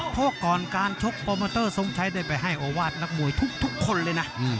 เพราะก่อนการชกโปรโมเตอร์ทรงชัยได้ไปให้โอวาสนักมวยทุกคนเลยนะ